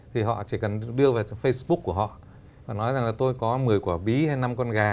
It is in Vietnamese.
thì họ chỉ cần đưa vào facebook của họ và nói rằng là tôi có một mươi quả bí hay năm con gà